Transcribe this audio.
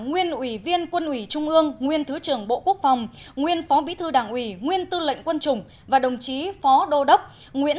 nguyên ủy viên quân ủy trung ương nguyên thứ trưởng bộ quốc phòng